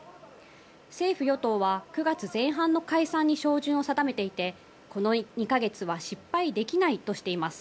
政府与党は９月前半の解散に照準を合わせていてこの２か月は失敗できないとしています。